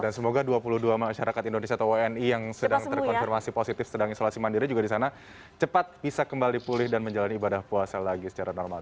dan semoga dua puluh dua masyarakat indonesia atau wni yang sedang terkonfirmasi positif sedang isolasi mandiri juga di sana cepat bisa kembali pulih dan menjalani ibadah puasa lagi secara normal